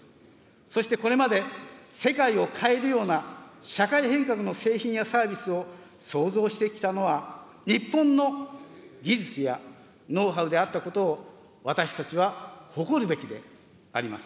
そしてこれまで、世界を変えるような社会変革の製品やサービスを創造してきたのは日本の技術やノウハウであったことを、私たちは誇るべきであります。